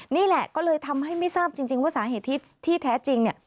นี่แหละก็เลยทำให้ไม่ทราบจริงว่าสาเหตุที่แท้จริงเนี่ย